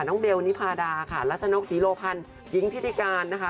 น้องเบลนิพาฏาค่ะลักชนกสีโรคัลยิ้งทิฏิการนะคะ